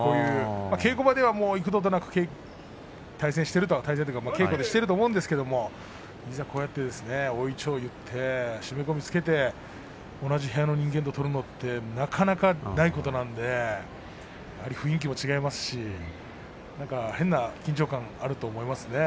稽古場では幾度となく対戦稽古してると思うんですけれども大いちょうを結って締め込みをつけて同じ部屋の人間と取るのってなかなかないことなので雰囲気も違いますし変な緊張感があると思いますね。